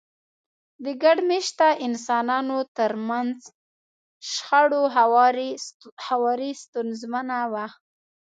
د ګډ مېشته انسانانو ترمنځ شخړو هواری ستونزمنه وه.